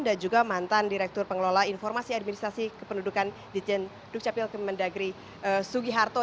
dan juga mantan direktur pengelola informasi administrasi kependudukan dirjen dukcapil kemendagri sugi harto